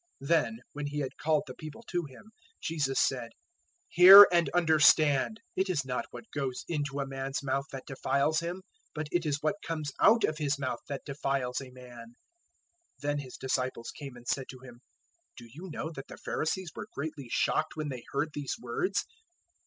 '" 015:010 Then, when He had called the people to Him, Jesus said, "Hear and understand. 015:011 It is not what goes into a man's mouth that defiles him; but it is what comes out of his mouth that* defiles a man." 015:012 Then His disciples came and said to Him, "Do you know that the Pharisees were greatly shocked when they heard those words?"